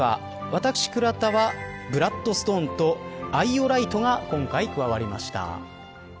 私、倉田はブラッドストーンとアイオライトが今回加わりました。